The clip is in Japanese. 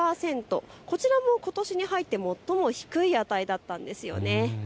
こちらもことしに入って最も低い値だったんです。